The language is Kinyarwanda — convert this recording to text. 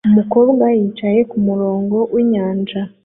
Umukobwa yicaye kumurongo winyanja